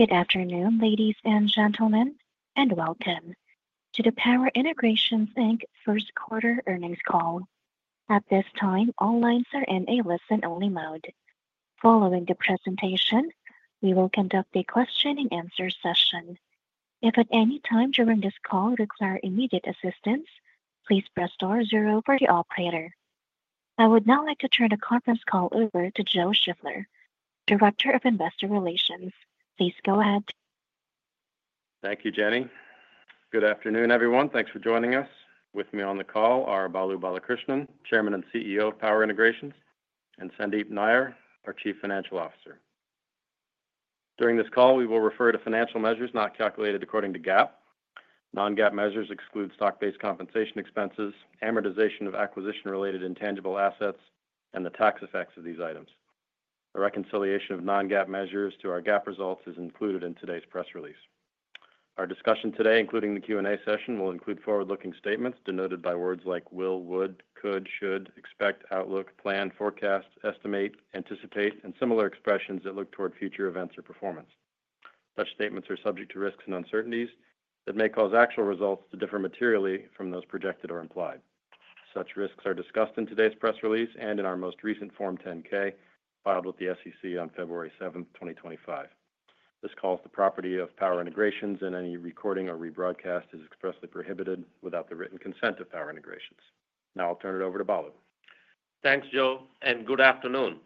Good afternoon, ladies and gentlemen, and welcome to the Power Integrations first quarter earnings call. At this time, all lines are in a listen-only mode. Following the presentation, we will conduct a question-and-answer session. If at any time during this call you require immediate assistance, please press star zero for the operator. I would now like to turn the conference call over to Joe Shiffler, Director of Investor Relations. Please go ahead. Thank you, Jenny. Good afternoon, everyone. Thanks for joining us. With me on the call are Balu Balakrishnan, Chairman and CEO of Power Integrations, and Sandeep Nayyar, our Chief Financial Officer. During this call, we will refer to financial measures not calculated according to GAAP. Non-GAAP measures exclude stock-based compensation expenses, amortization of acquisition-related intangible assets, and the tax effects of these items. A reconciliation of non-GAAP measures to our GAAP results is included in today's press release. Our discussion today, including the Q&A session, will include forward-looking statements denoted by words like will, would, could, should, expect, outlook, plan, forecast, estimate, anticipate, and similar expressions that look toward future events or performance. Such statements are subject to risks and uncertainties that may cause actual results to differ materially from those projected or implied. Such risks are discussed in today's press release and in our most recent Form 10-K filed with the SEC on February 7, 2025. This call is the property of Power Integrations, and any recording or rebroadcast is expressly prohibited without the written consent of Power Integrations. Now I'll turn it over to Balu. Thanks, Joe, and good afternoon.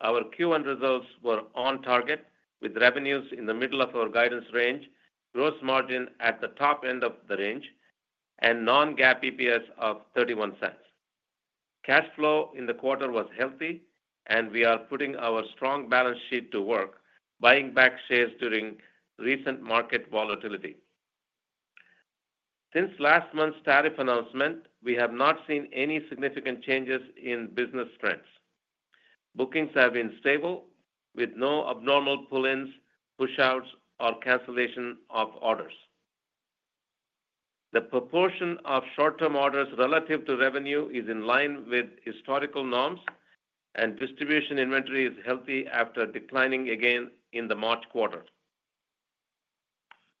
Our Q1 results were on target, with revenues in the middle of our guidance range, gross margin at the top end of the range, and non-GAAP EPS of $0.31. Cash flow in the quarter was healthy, and we are putting our strong balance sheet to work, buying back shares during recent market volatility. Since last month's tariff announcement, we have not seen any significant changes in business trends. Bookings have been stable, with no abnormal pull-ins, push-outs, or cancellation of orders. The proportion of short-term orders relative to revenue is in line with historical norms, and distribution inventory is healthy after declining again in the March quarter.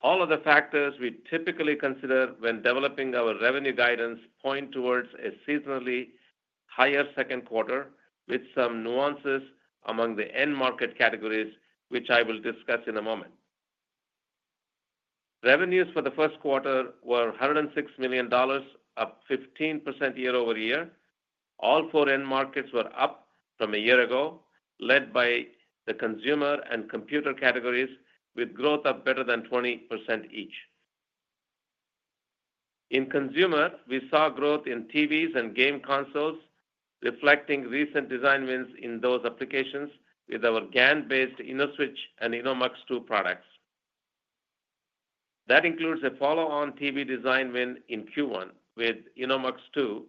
All of the factors we typically consider when developing our revenue guidance point towards a seasonally higher second quarter, with some nuances among the end market categories, which I will discuss in a moment. Revenues for the first quarter were $106 million, up 15% year over year. All four end markets were up from a year ago, led by the consumer and computer categories, with growth of better than 20% each. In consumer, we saw growth in TVs and game consoles, reflecting recent design wins in those applications with our GaN-based InnoSwitch and InnoMux-2 products. That includes a follow-on TV design win in Q1, with InnoMux-2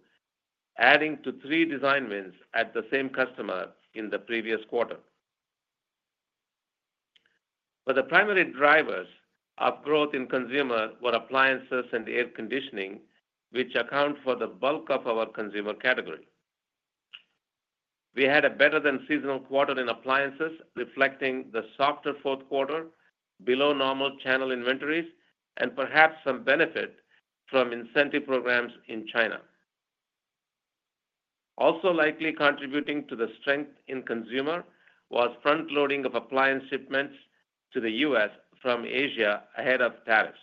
adding to three design wins at the same customer in the previous quarter. The primary drivers of growth in consumer were appliances and air conditioning, which account for the bulk of our consumer category. We had a better-than-seasonal quarter in appliances, reflecting the softer fourth quarter, below-normal channel inventories, and perhaps some benefit from incentive programs in China. Also likely contributing to the strength in consumer was front-loading of appliance shipments to the U.S. from Asia ahead of tariffs.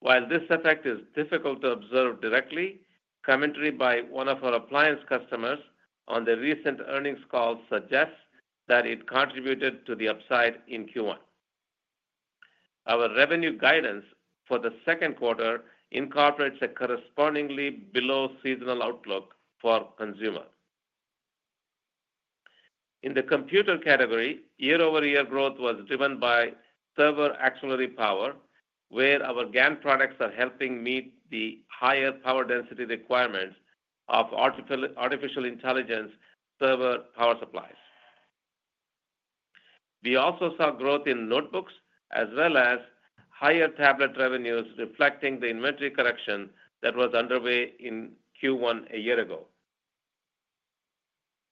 While this effect is difficult to observe directly, commentary by one of our appliance customers on the recent earnings call suggests that it contributed to the upside in Q1. Our revenue guidance for the second quarter incorporates a correspondingly below-seasonal outlook for consumer. In the computer category, year-over-year growth was driven by server auxiliary power, where our GaN products are helping meet the higher power density requirements of artificial intelligence server power supplies. We also saw growth in notebooks, as well as higher tablet revenues, reflecting the inventory correction that was underway in Q1 a year ago.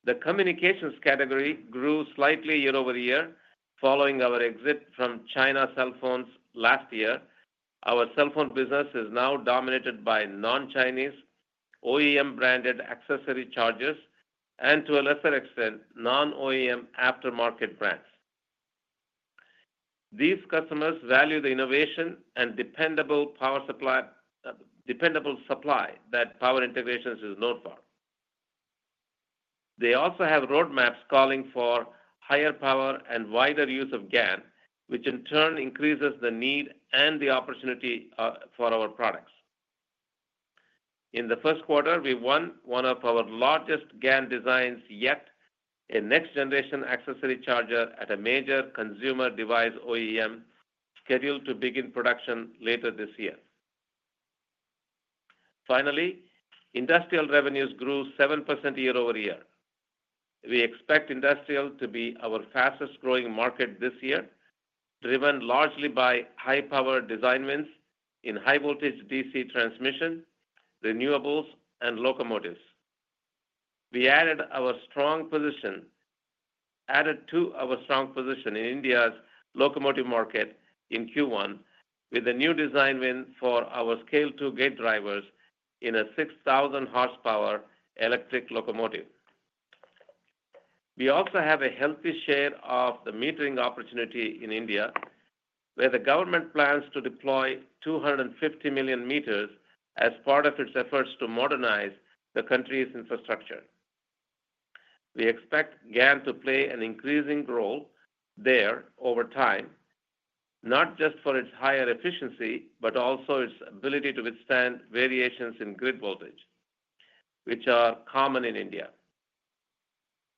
The communications category grew slightly year-over-year following our exit from China cell phones last year. Our cell phone business is now dominated by non-Chinese, OEM-branded accessory chargers, and to a lesser extent, non-OEM aftermarket brands. These customers value the innovation and dependable power supply that Power Integrations is known for. They also have roadmaps calling for higher power and wider use of GaN, which in turn increases the need and the opportunity for our products. In the first quarter, we won one of our largest GaN designs yet, a next-generation accessory charger at a major consumer device OEM scheduled to begin production later this year. Finally, industrial revenues grew 7% year over year. We expect industrial to be our fastest-growing market this year, driven largely by high-power design wins in high-voltage DC transmission, renewables, and locomotives. We added our strong position in India's locomotive market in Q1 with a new design win for our SCALE-2 gate drivers in a 6,000 hp electric locomotive. We also have a healthy share of the metering opportunity in India, where the government plans to deploy 250 million meters as part of its efforts to modernize the country's infrastructure. We expect GaN to play an increasing role there over time, not just for its higher efficiency, but also its ability to withstand variations in grid voltage, which are common in India.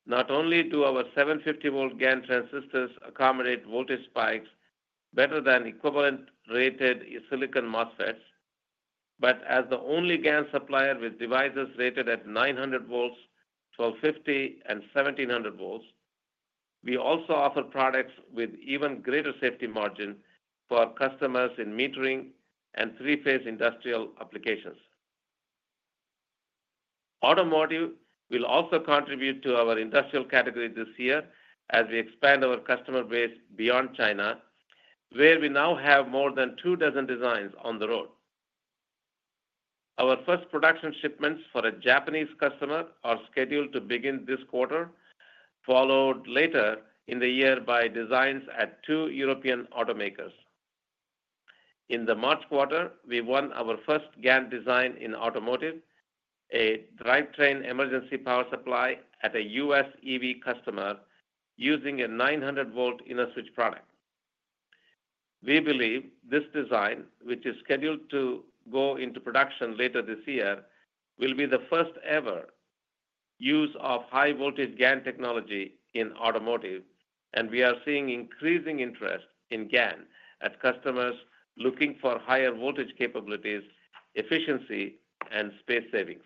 Not only do our 750 V GaN transistors accommodate voltage spikes better than equivalent-rated silicon MOSFETs, but as the only GaN supplier with devices rated at 900 V, 1250 V, and 1700 V, we also offer products with even greater safety margin for customers in metering and three-phase industrial applications. Automotive will also contribute to our industrial category this year as we expand our customer base beyond China, where we now have more than two dozen designs on the road. Our first production shipments for a Japanese customer are scheduled to begin this quarter, followed later in the year by designs at two European automakers. In the March quarter, we won our first GaN design in automotive, a drivetrain emergency power supply at a U.S. EV customer using a 900 V InnoSwitch product. We believe this design, which is scheduled to go into production later this year, will be the first-ever use of high-voltage GaN technology in automotive, and we are seeing increasing interest in GaN at customers looking for higher voltage capabilities, efficiency, and space savings.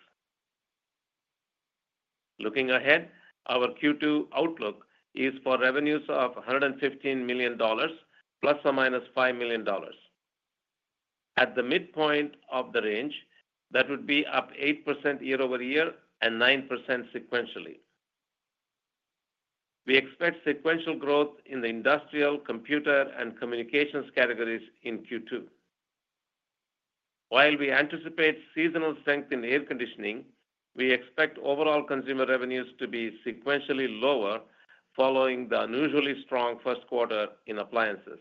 Looking ahead, our Q2 outlook is for revenues of $115 million, ±$5 million. At the midpoint of the range, that would be up 8% year over year and 9% sequentially. We expect sequential growth in the industrial, computer, and communications categories in Q2. While we anticipate seasonal strength in air conditioning, we expect overall consumer revenues to be sequentially lower following the unusually strong first quarter in appliances.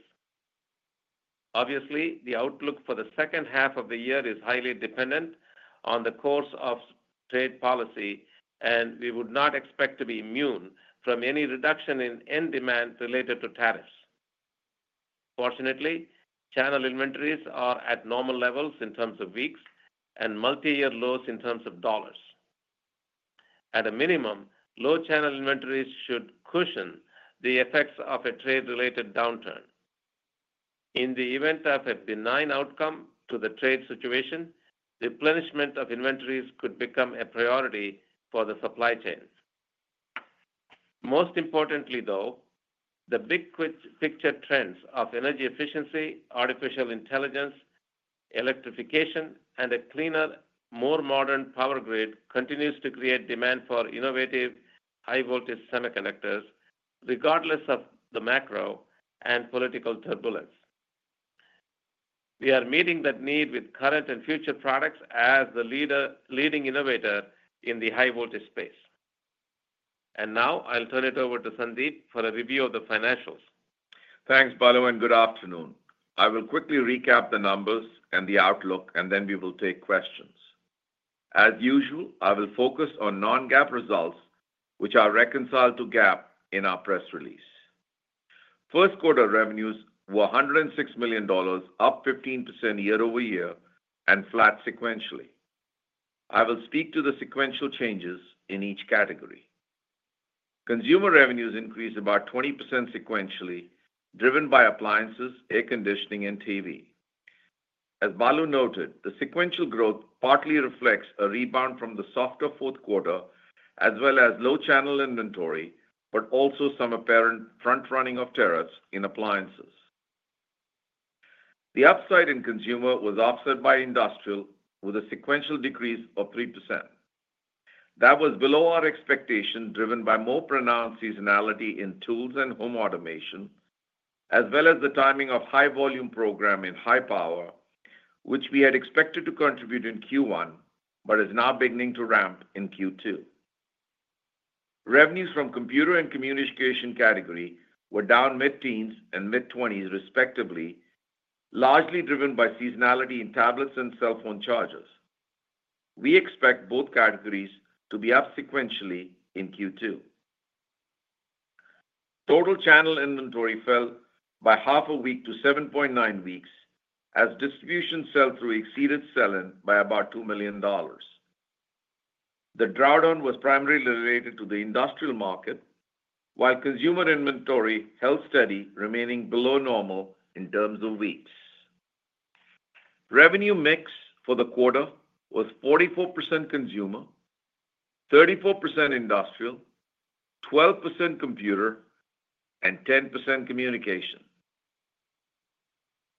Obviously, the outlook for the second half of the year is highly dependent on the course of trade policy, and we would not expect to be immune from any reduction in end demand related to tariffs. Fortunately, channel inventories are at normal levels in terms of weeks and multi-year lows in terms of dollars. At a minimum, low channel inventories should cushion the effects of a trade-related downturn. In the event of a benign outcome to the trade situation, replenishment of inventories could become a priority for the supply chains. Most importantly, though, the big picture trends of energy efficiency, artificial intelligence, electrification, and a cleaner, more modern power grid continue to create demand for innovative high-voltage semiconductors, regardless of the macro and political turbulence. We are meeting that need with current and future products as the leading innovator in the high-voltage space. I will now turn it over to Sandeep for a review of the financials. Thanks, Balu, and good afternoon. I will quickly recap the numbers and the outlook, and then we will take questions. As usual, I will focus on non-GAAP results, which are reconciled to GAAP in our press release. First quarter revenues were $106 million, up 15% year over year, and flat sequentially. I will speak to the sequential changes in each category. Consumer revenues increased about 20% sequentially, driven by appliances, air conditioning, and TV. As Balu noted, the sequential growth partly reflects a rebound from the softer fourth quarter, as well as low channel inventory, but also some apparent front-running of tariffs in appliances. The upside in consumer was offset by industrial, with a sequential decrease of 3%. That was below our expectation, driven by more pronounced seasonality in tools and home automation, as well as the timing of a high-volume program in high power, which we had expected to contribute in Q1 but is now beginning to ramp in Q2. Revenues from the computer and communication category were down mid-teens and mid-20s, respectively, largely driven by seasonality in tablets and cell phone chargers. We expect both categories to be up sequentially in Q2. Total channel inventory fell by half a week to 7.9 weeks, as distribution sell-through exceeded sell-in by about $2 million. The drawdown was primarily related to the industrial market, while consumer inventory held steady, remaining below normal in terms of weeks. Revenue mix for the quarter was 44% consumer, 34% industrial, 12% computer, and 10% communication.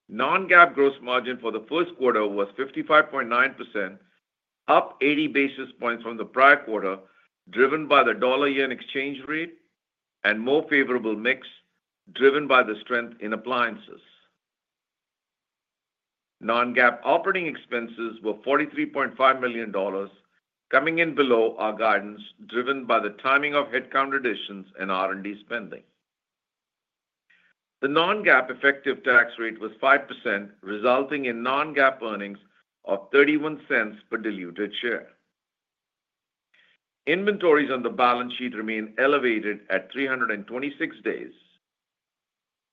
Non-GAAP gross margin for the first quarter was 55.9%, up 80 basis points from the prior quarter, driven by the dollar-yen exchange rate and more favorable mix, driven by the strength in appliances. Non-GAAP operating expenses were $43.5 million, coming in below our guidance, driven by the timing of headcount additions and R&D spending. The non-GAAP effective tax rate was 5%, resulting in non-GAAP earnings of $0.31 per diluted share. Inventories on the balance sheet remain elevated at 326 days.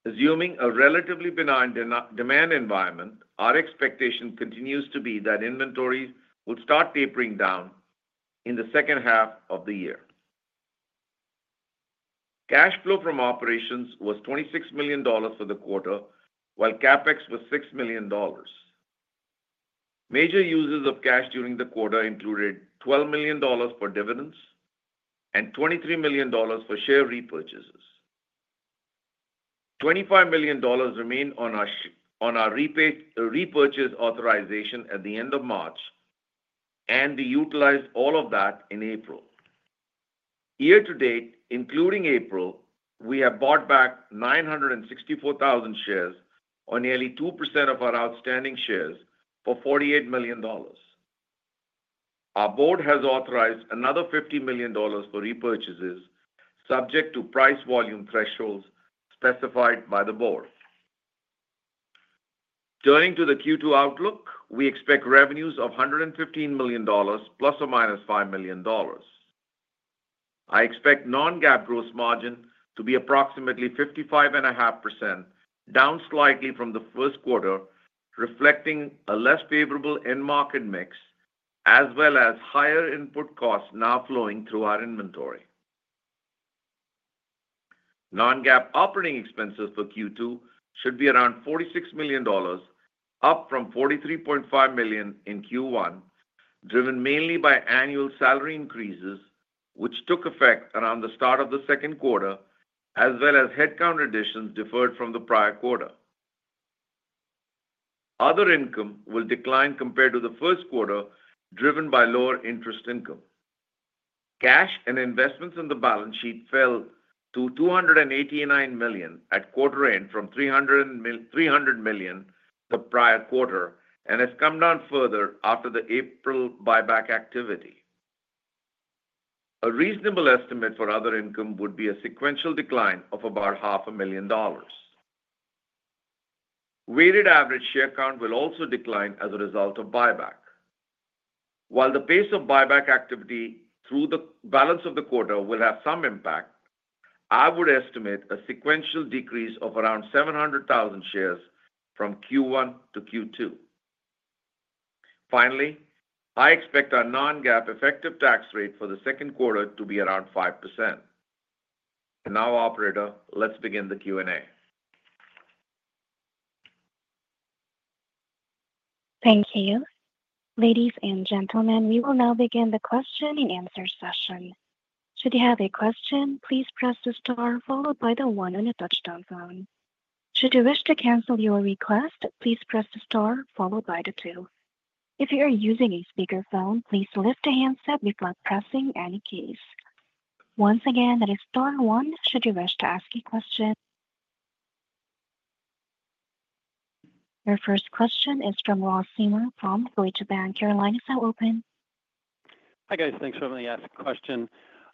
Assuming a relatively benign demand environment, our expectation continues to be that inventory would start tapering down in the second half of the year. Cash flow from operations was $26 million for the quarter, while CapEx was $6 million. Major uses of cash during the quarter included $12 million for dividends and $23 million for share repurchases. $25 million remained on our repurchase authorization at the end of March, and we utilized all of that in April. Year to date, including April, we have bought back 964,000 shares or nearly 2% of our outstanding shares for $48 million. Our board has authorized another $50 million for repurchases, subject to price volume thresholds specified by the board. Turning to the Q2 outlook, we expect revenues of $115 million, ±$5 million. I expect non-GAAP gross margin to be approximately 55.5%, down slightly from the first quarter, reflecting a less favorable end market mix, as well as higher input costs now flowing through our inventory. Non-GAAP operating expenses for Q2 should be around $46 million, up from $43.5 million in Q1, driven mainly by annual salary increases, which took effect around the start of the second quarter, as well as headcount additions deferred from the prior quarter. Other income will decline compared to the first quarter, driven by lower interest income. Cash and investments on the balance sheet fell to $289 million at quarter end from $300 million the prior quarter and has come down further after the April buyback activity. A reasonable estimate for other income would be a sequential decline of about $500,000. Weighted average share count will also decline as a result of buyback. While the pace of buyback activity through the balance of the quarter will have some impact, I would estimate a sequential decrease of around 700,000 shares from Q1-Q2. Finally, I expect our non-GAAP effective tax rate for the second quarter to be around 5%. Now, operator, let's begin the Q&A. Thank you. Ladies and gentlemen, we will now begin the question-and-answer session. Should you have a question, please press the star followed by the one on the touch-tone phone. Should you wish to cancel your request, please press the star followed by the two. If you are using a speakerphone, please lift a handset before pressing any keys. Once again, that is star one. Should you wish to ask a question? Your first question is from Ross Seymore from Deutsche Bank. Your line is open? Hi, guys. Thanks for having me ask a question.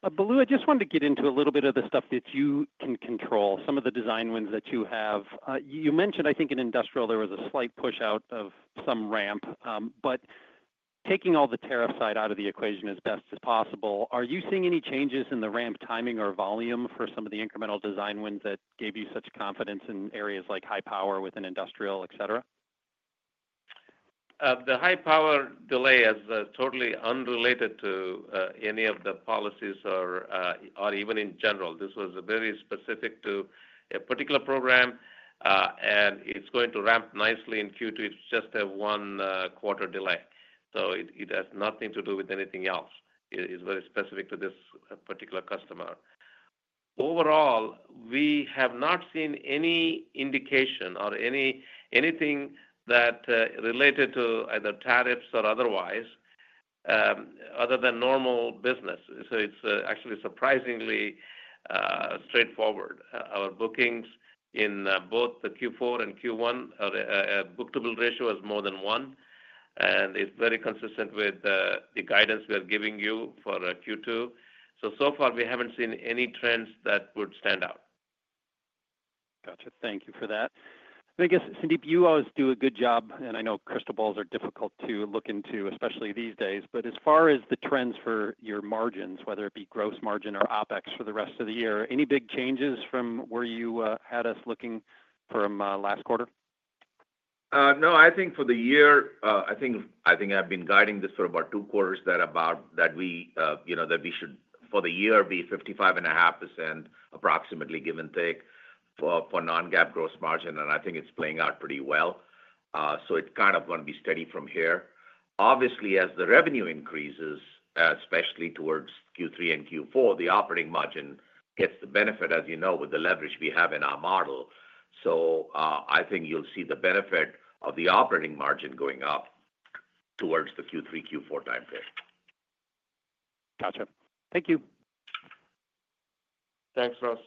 Balu, I just wanted to get into a little bit of the stuff that you can control, some of the design wins that you have. You mentioned, I think, in industrial, there was a slight push out of some ramp, but taking all the tariff side out of the equation as best as possible, are you seeing any changes in the ramp timing or volume for some of the incremental design wins that gave you such confidence in areas like high power within industrial, etc.? The high power delay is totally unrelated to any of the policies or even in general. This was very specific to a particular program, and it's going to ramp nicely in Q2. It's just a one-quarter delay. It has nothing to do with anything else. It's very specific to this particular customer. Overall, we have not seen any indication or anything that related to either tariffs or otherwise other than normal business. It's actually surprisingly straightforward. Our bookings in both the Q4 and Q1, our book-to-bill ratio is more than one, and it's very consistent with the guidance we are giving you for Q2. So far, we haven't seen any trends that would stand out. Gotcha. Thank you for that. I guess, Sandeep, you always do a good job, and I know crystal balls are difficult to look into, especially these days. As far as the trends for your margins, whether it be gross margin or OpEx for the rest of the year, any big changes from where you had us looking from last quarter? No, I think for the year, I think I've been guiding this for about two quarters that we should, for the year, be 55.5%, approximately, give and take, for non-GAAP gross margin, and I think it's playing out pretty well. It kind of won't be steady from here. Obviously, as the revenue increases, especially towards Q3 and Q4, the operating margin gets the benefit, as you know, with the leverage we have in our model. I think you'll see the benefit of the operating margin going up towards the Q3, Q4 time period. Gotcha. Thank you. Thanks, Ross.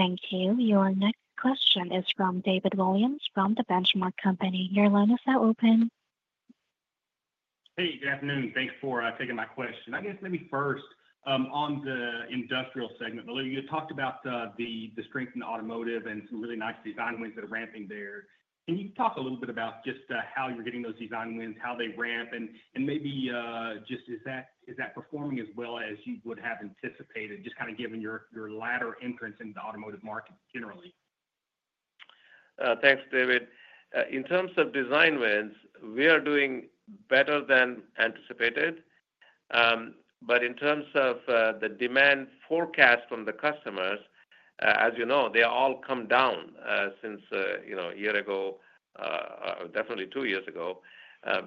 Thank you. Your next question is from David Williams from the Benchmark Company. Your line is now open. Hey, good afternoon. Thanks for taking my question. I guess maybe first, on the industrial segment, Balu, you talked about the strength in automotive and some really nice design wins that are ramping there. Can you talk a little bit about just how you're getting those design wins, how they ramp, and maybe just is that performing as well as you would have anticipated, just kind of given your latter entrance into the automotive market generally? Thanks, David. In terms of design wins, we are doing better than anticipated. In terms of the demand forecast from the customers, as you know, they all come down since a year ago, definitely two years ago,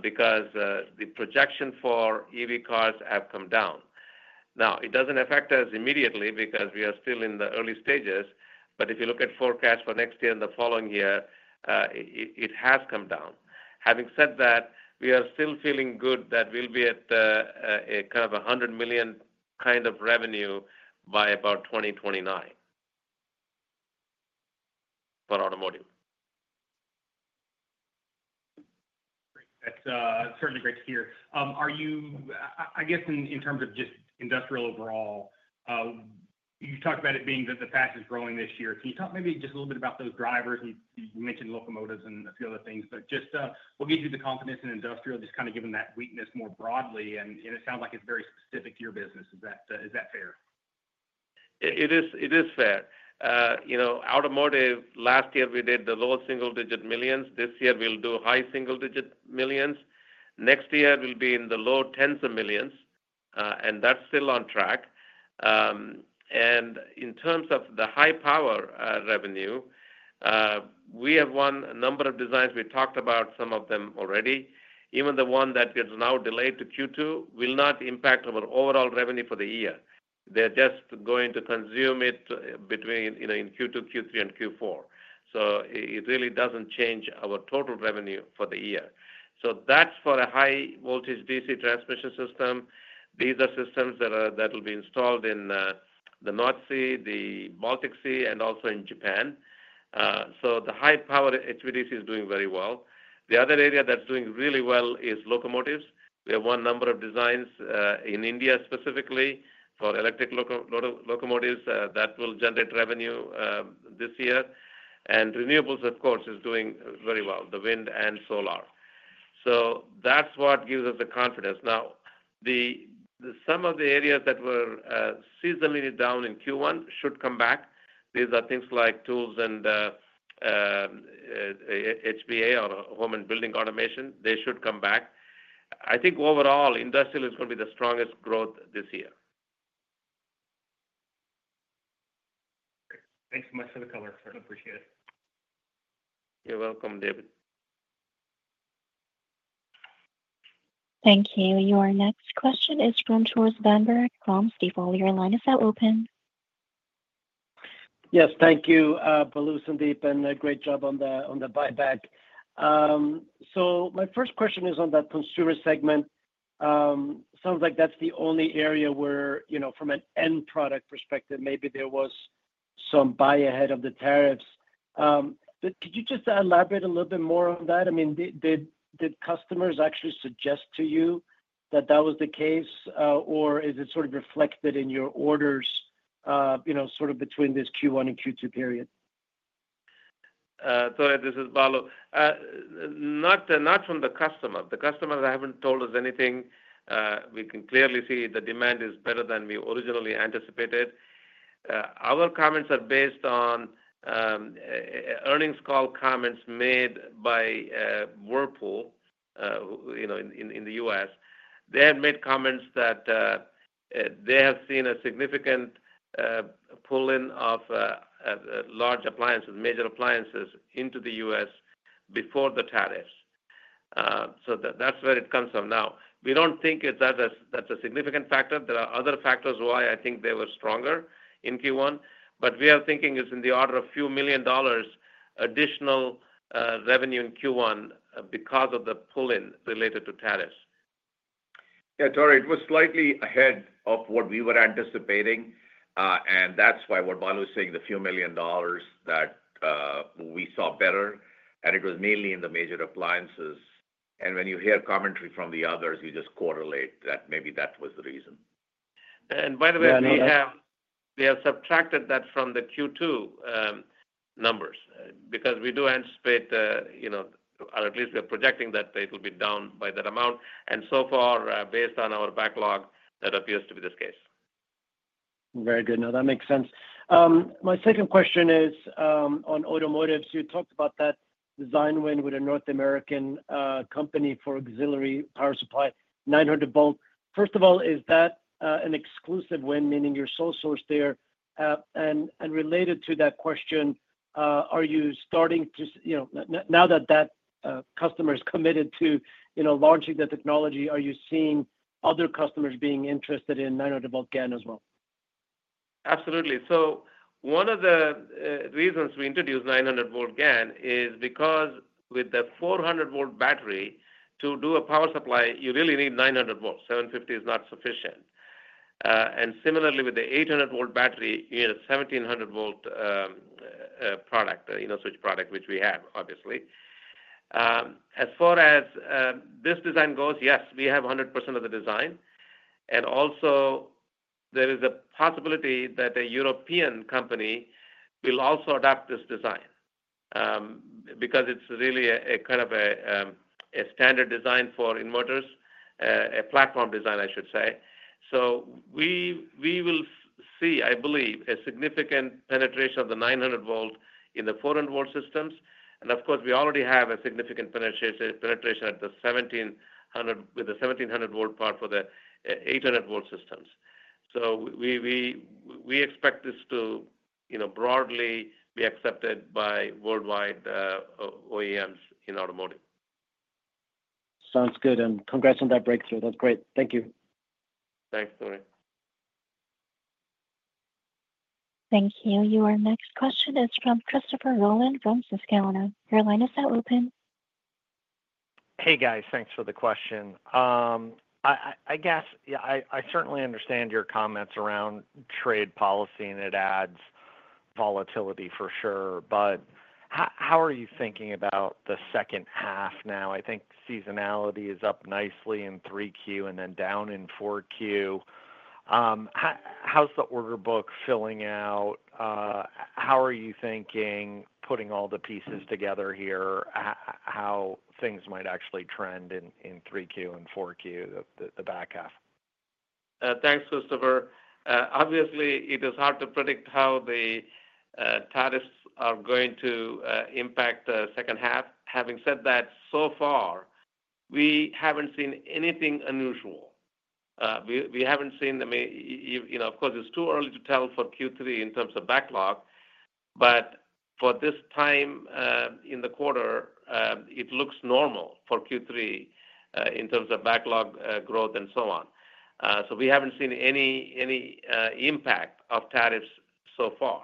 because the projection for EV cars have come down. Now, it does not affect us immediately because we are still in the early stages, but if you look at forecasts for next year and the following year, it has come down. Having said that, we are still feeling good that we will be at kind of a $100 million kind of revenue by about 2029 for automotive. That's certainly great to hear. I guess in terms of just industrial overall, you talked about it being that the path is growing this year. Can you talk maybe just a little bit about those drivers? You mentioned locomotives and a few other things, but just what gives you the confidence in industrial, just kind of given that weakness more broadly? It sounds like it's very specific to your business. Is that fair? It is fair. Automotive, last year we did the low single-digit millions. This year we'll do high single-digit millions. Next year we'll be in the low tens of millions, and that's still on track. In terms of the high power revenue, we have won a number of designs. We talked about some of them already. Even the one that gets now delayed to Q2 will not impact our overall revenue for the year. They're just going to consume it between Q2, Q3, and Q4. It really doesn't change our total revenue for the year. That's for a high-voltage DC transmission system. These are systems that will be installed in the North Sea, the Baltic Sea, and also in Japan. The high-power HVDC is doing very well. The other area that's doing really well is locomotives. We have won a number of designs in India, specifically for electric locomotives that will generate revenue this year. Renewables, of course, are doing very well, the wind and solar. That is what gives us the confidence. Now, some of the areas that were seasonally down in Q1 should come back. These are things like tools and HBA or home and building automation. They should come back. I think overall, industrial is going to be the strongest growth this year. Thanks so much for the color. Certainly appreciate it. You're welcome, David. Thank you. Your next question is from Tore Svanberg from Stifel. Your line is now open. Yes, thank you, Balu, Sandeep, and great job on the buyback. My first question is on that consumer segment. Sounds like that's the only area where, from an end product perspective, maybe there was some buy ahead of the tariffs. Could you just elaborate a little bit more on that? I mean, did customers actually suggest to you that that was the case, or is it sort of reflected in your orders sort of between this Q1 and Q2 period? Sorry, this is Balu. Not from the customer. The customers have not told us anything. We can clearly see the demand is better than we originally anticipated. Our comments are based on earnings call comments made by Whirlpool in the U.S. They had made comments that they have seen a significant pull-in of large appliances, major appliances, into the U.S. before the tariffs. That is where it comes from now. We do not think that is a significant factor. There are other factors why I think they were stronger in Q1, but we are thinking it is in the order of a few million dollars additional revenue in Q1 because of the pull-in related to tariffs. Yeah, sorry. It was slightly ahead of what we were anticipating, and that is why what Balu is saying, the few million dollars that we saw better, and it was mainly in the major appliances. When you hear commentary from the others, you just correlate that maybe that was the reason. By the way, we have subtracted that from the Q2 numbers because we do anticipate, or at least we are projecting, that it will be down by that amount. So far, based on our backlog, that appears to be the case. Very good. No, that makes sense. My second question is on automotives. You talked about that design win with a North American company for auxiliary power supply, 900 V. First of all, is that an exclusive win, meaning you're sole source there? Related to that question, are you starting to, now that that customer is committed to launching the technology, are you seeing other customers being interested in 900 V GaN as well? Absolutely. One of the reasons we introduced 900 V GaN is because with the 400 V battery, to do a power supply, you really need 900 V. 750 V is not sufficient. Similarly, with the 800 V battery, you need a 1700 V switch product, which we have, obviously. As far as this design goes, yes, we have 100% of the design. Also, there is a possibility that a European company will also adopt this design because it is really a kind of a standard design for inverters, a platform design, I should say. We will see, I believe, a significant penetration of the 900 V in the 400 V systems. Of course, we already have a significant penetration at the 1700 V part for the 800 V systems. We expect this to broadly be accepted by worldwide OEMs in automotive. Sounds good. Congrats on that breakthrough. That's great. Thank you. Thanks, Tore. Thank you. Your next question is from Christopher Rolland from Susquehanna. Your line is now open. Hey, guys. Thanks for the question. I guess I certainly understand your comments around trade policy, and it adds volatility for sure. How are you thinking about the second half now? I think seasonality is up nicely in 3Q and then down in 4Q. How's the order book filling out? How are you thinking, putting all the pieces together here, how things might actually trend in 3Q and 4Q, the back half? Thanks, Christopher. Obviously, it is hard to predict how the tariffs are going to impact the second half. Having said that, so far, we haven't seen anything unusual. We haven't seen the—of course, it's too early to tell for Q3 in terms of backlog, but for this time in the quarter, it looks normal for Q3 in terms of backlog growth and so on. We haven't seen any impact of tariffs so far.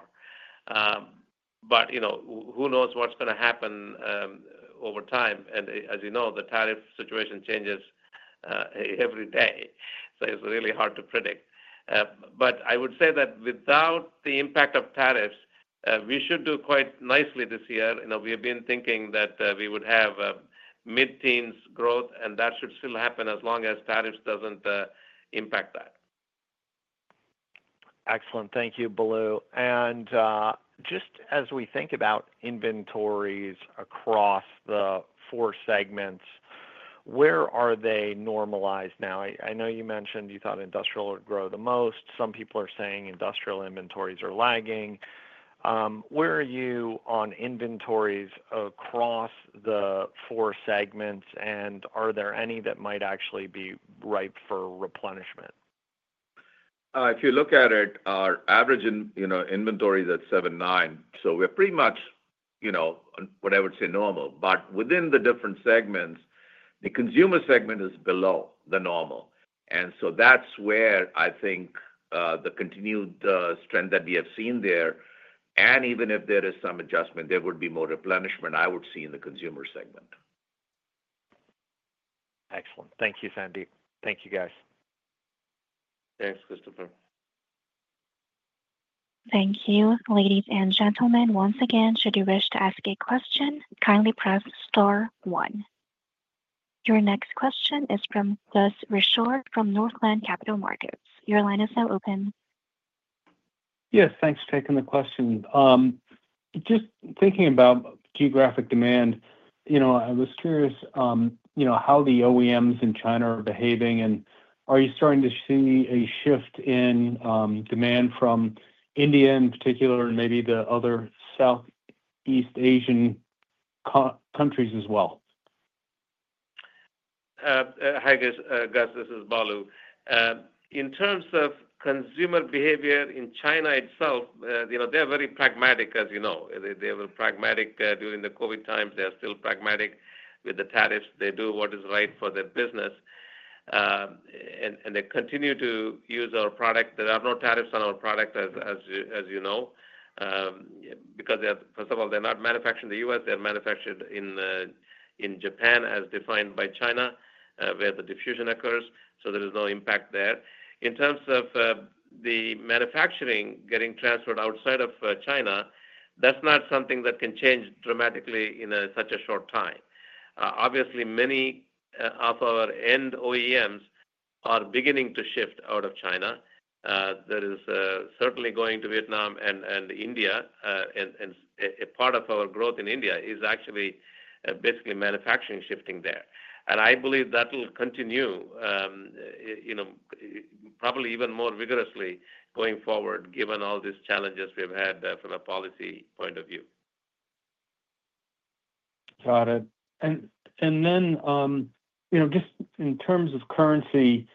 Who knows what's going to happen over time? As you know, the tariff situation changes every day. It's really hard to predict. I would say that without the impact of tariffs, we should do quite nicely this year. We have been thinking that we would have mid-teens growth, and that should still happen as long as tariffs don't impact that. Excellent. Thank you, Balu. Just as we think about inventories across the four segments, where are they normalized now? I know you mentioned you thought industrial would grow the most. Some people are saying industrial inventories are lagging. Where are you on inventories across the four segments, and are there any that might actually be ripe for replenishment? If you look at it, our average inventory is at 79. So we're pretty much what I would say normal. Within the different segments, the consumer segment is below the normal. That is where I think the continued strength that we have seen there. Even if there is some adjustment, there would be more replenishment, I would see, in the consumer segment. Excellent. Thank you, Sandeep. Thank you, guys. Thanks, Christopher. Thank you. Ladies and gentlemen, once again, should you wish to ask a question, kindly press star one. Your next question is from Gus Richard from Northland Capital Markets. Your line is now open. Yes, thanks for taking the question. Just thinking about geographic demand, I was curious how the OEMs in China are behaving, and are you starting to see a shift in demand from India in particular, and maybe the other Southeast Asian countries as well? Hi, Gus. This is Balu. In terms of consumer behavior in China itself, they are very pragmatic, as you know. They were pragmatic during the COVID times. They are still pragmatic with the tariffs. They do what is right for their business. They continue to use our product. There are no tariffs on our product, as you know, because, first of all, they're not manufactured in the U.S. They're manufactured in Japan, as defined by China, where the diffusion occurs. There is no impact there. In terms of the manufacturing getting transferred outside of China, that's not something that can change dramatically in such a short time. Obviously, many of our end OEMs are beginning to shift out of China. There is certainly going to Vietnam and India. Part of our growth in India is actually basically manufacturing shifting there. I believe that will continue, probably even more vigorously going forward, given all these challenges we've had from a policy point of view. Got it. In terms of currency,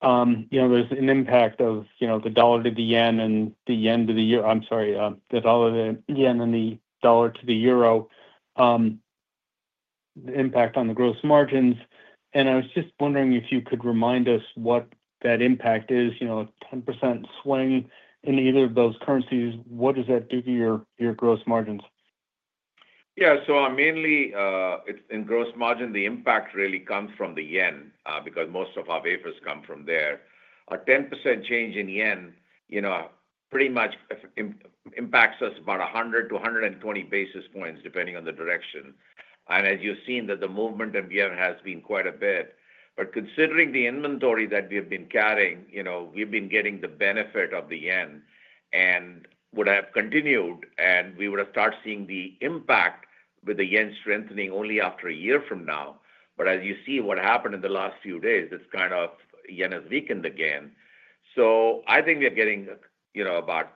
there is an impact of the dollar to the yen and the dollar to the euro, the impact on the gross margins. I was just wondering if you could remind us what that impact is. A 10% swing in either of those currencies, what does that do to your gross margins? Yeah. Mainly, in gross margin, the impact really comes from the yen because most of our wafers come from there. A 10% change in yen pretty much impacts us about 100 basis points-120 basis points, depending on the direction. As you've seen, the movement in yen has been quite a bit. Considering the inventory that we have been carrying, we've been getting the benefit of the yen and would have continued, and we would have started seeing the impact with the yen strengthening only after a year from now. As you see what happened in the last few days, yen has weakened again. I think we're getting about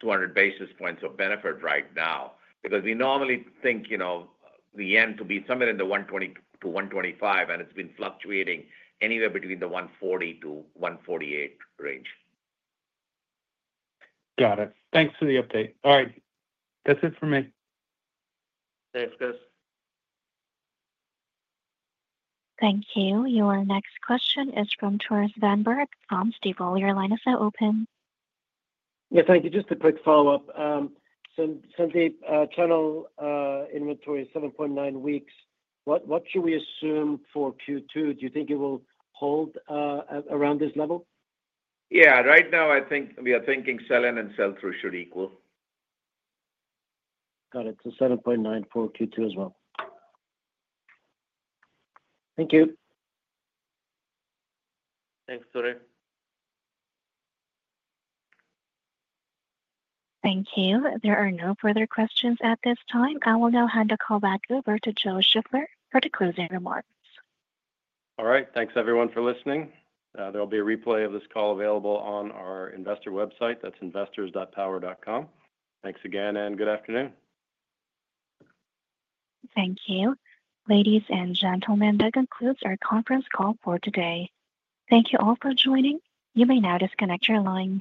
200 basis points of benefit right now because we normally think the yen to be somewhere in the 120 basis points-125 basis points, and it's been fluctuating anywhere between the 140 basis points-148 basis points range. Got it. Thanks for the update. All right. That's it for me. Thanks, Gus. Thank you. Your next question is from Tore Svanberg from Stifel. Your line is now open. Yes, thank you. Just a quick follow-up. Sandeep, China inventory is 7.9 weeks. What should we assume for Q2? Do you think it will hold around this level? Yeah. Right now, I think we are thinking sell-in and sell-through should equal. Got it. So 7.9 for Q2 as well. Thank you. Thanks, Tore. Thank you. There are no further questions at this time. I will now hand the call back over to Joe Shiffler for the closing remarks. All right. Thanks, everyone, for listening. There will be a replay of this call available on our investor website. That is investors.power.com. Thanks again, and good afternoon. Thank you. Ladies and gentlemen, that concludes our conference call for today. Thank you all for joining. You may now disconnect your lines.